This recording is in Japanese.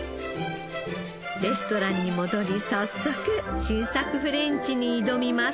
レストランに戻り早速新作フレンチに挑みます。